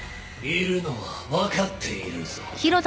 いるのは分かっているぞ。